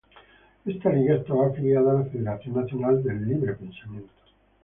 Esta liga estaba afiliada a la Federación Nacional del Librepensamiento.